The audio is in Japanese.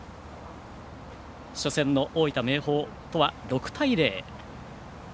初戦の大分・明豊とは６対０。